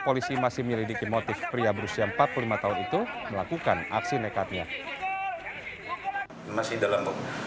polisi masih menyelidiki motif pria berusia empat puluh lima tahun itu melakukan aksi nekatnya masih dalam